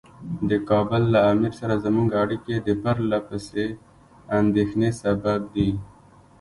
د کابل له امیر سره زموږ اړیکې د پرله پسې اندېښنې سبب دي.